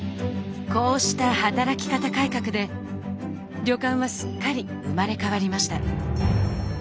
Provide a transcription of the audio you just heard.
こうした「働き方改革」で旅館はすっかり生まれ変わりました。